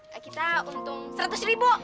ya kita untung seratus ribu